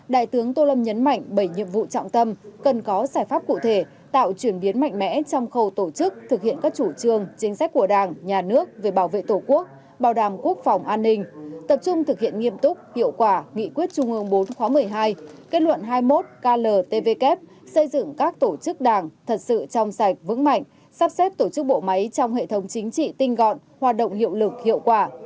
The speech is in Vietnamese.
đại tướng tô lâm nhấn mạnh bảy nhiệm vụ trọng tâm cần có giải pháp cụ thể tạo chuyển biến mạnh mẽ trong khâu tổ chức thực hiện các chủ trương chính sách của đảng nhà nước về bảo vệ tổ quốc bảo đảm quốc phòng an ninh tập trung thực hiện nghiêm túc hiệu quả nghị quyết trung ương iv khóa một mươi hai kết luận hai mươi một kltvk xây dựng các tổ chức đảng thật sự trong sạch vững mạnh sắp xếp tổ chức bộ máy trong hệ thống chính trị tinh gọn hoạt động hiệu lực hiệu quả